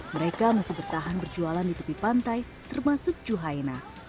mereka masih bertahan berjualan di tepi pantai termasuk juhaina